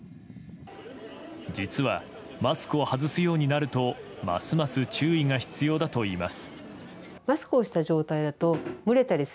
実は、マスクを外すようになるとますます注意が必要だといいます。